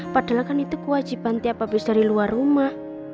padahal kan itu kewajiban tiap habis dari luar rumah